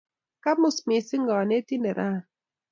Kamus missing' kanetik rani.